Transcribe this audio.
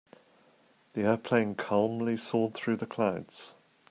The airplane calmly soared through the clouds.